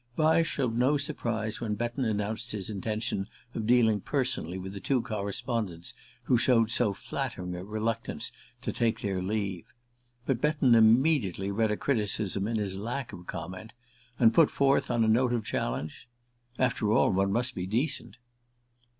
Vyse showed no surprise when Betton announced his intention of dealing personally with the two correspondents who showed so flattering a reluctance to take their leave. But Betton immediately read a criticism in his lack of comment, and put forth, on a note of challenge: "After all, one must be decent!"